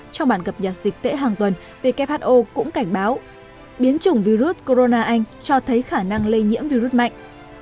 trong bản cập nhật dịch tễ hàng tuần who cũng cảnh báo biến chủng virus corona anh cho thấy khả năng lây nhiễm virus mạnh